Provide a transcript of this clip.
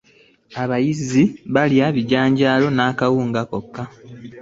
Abayizi balya bijanjaalo na kawunga byokka.